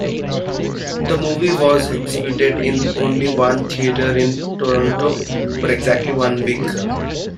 The movie was exhibited in only one theater in Toronto for exactly one week.